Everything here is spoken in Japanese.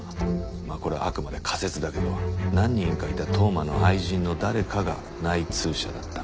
まあこれはあくまで仮説だけど何人かいた当麻の愛人の誰かが内通者だった。